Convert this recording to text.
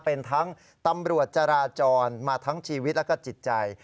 เป็นทั้งตำรวจจราจรมาทั้งชีวิตแล้วก็จิตใจ